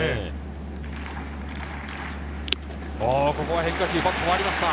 ここは変化球、バット回りました。